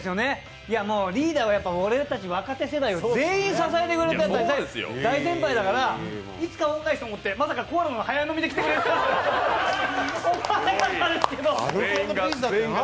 もうリーダーは、俺たち若手世代を全員支えてくれてる大先輩だからいつか会ったらってまさかコーラの早飲みで来てくれるとは。